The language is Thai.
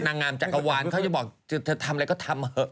นางงามจักรวาลเขาจะบอกจะทำอะไรก็ทำเถอะ